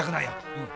うん。